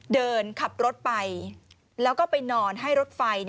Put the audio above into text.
เดินขับรถไปแล้วก็ไปนอนให้รถไฟ